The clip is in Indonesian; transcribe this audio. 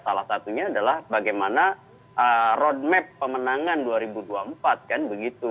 salah satunya adalah bagaimana roadmap pemenangan dua ribu dua puluh empat kan begitu